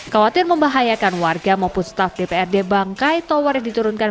khawatir membahayakan warga maupun staf dprd bangkai tower yang diturunkan